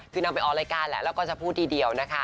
คือนำไปออกรายการแล้วก็จะพูดทีเดียว